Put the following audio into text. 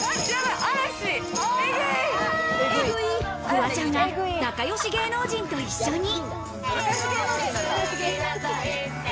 フワちゃんが仲よし芸能人と一緒に。